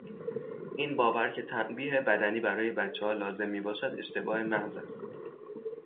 این باور کهتنبیه بدنی برای بچهها لازم میباشد اشتباه محض است.